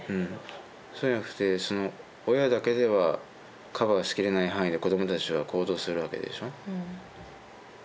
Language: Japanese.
そうじゃなくて親だけではカバーしきれない範囲で子どもたちは行動するわけでしょ。